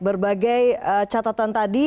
berbagai catatan tadi